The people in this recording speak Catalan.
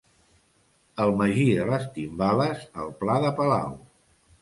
El Magí de les Timbales al Pla de Palau.